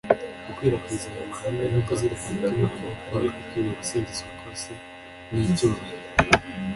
gukwirakwiza ayo mahame no kuzirikana ko imana ari yo ikwiriye gusingizwa kose n’icyubahiro,